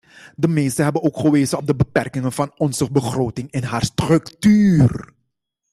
De meesten hebben ook gewezen op de beperkingen van onze begroting en haar structuur.